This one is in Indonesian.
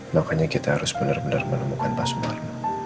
makanya kita harus bener bener menemukan pasmar